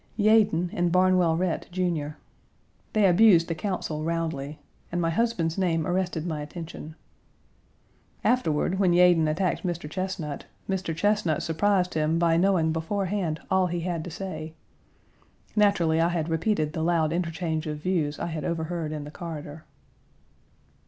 "Yeadon and Barnwell Rhett, Jr." They abused the Council roundly, and my husband's name arrested my attention. Afterward, when Yeadon attacked Mr. Chesnut, Mr. Chesnut surprised him by knowing beforehand all he had to say. Naturally I had repeated the loud interchange of views I had overheard in the corridor.